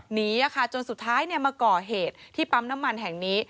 จนสุดท้ายมาก่อเหตุที่ปั๊มน้ำมันแห่งนี้